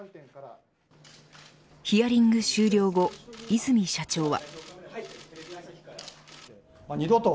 ヒアリング終了後、和泉社長は。